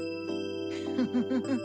フフフ！